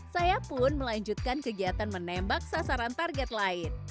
saya pun melanjutkan kegiatan menembak sasaran target lain